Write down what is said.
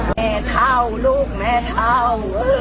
แม่เท่าลูกแม่เท่า